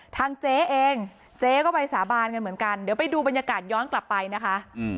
ทางเจ๊เองเจ๊ก็ไปสาบานกันเหมือนกันเดี๋ยวไปดูบรรยากาศย้อนกลับไปนะคะ